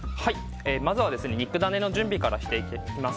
まずは肉ダネの準備からしていきます。